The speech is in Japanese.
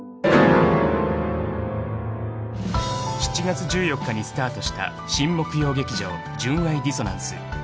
・［７月１４日にスタートした新木曜劇場『純愛ディソナンス』］